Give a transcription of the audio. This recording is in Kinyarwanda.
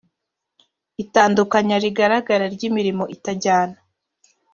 itandukanya rigaragara ry imirimo itajyana